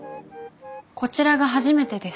こちらが初めてです。